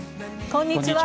こんにちは。